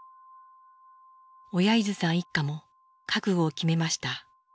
小柳津さん一家も覚悟を決めました。